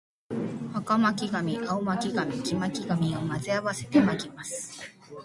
赤巻紙、青巻紙、黄巻紙を混ぜ合わせて巻きます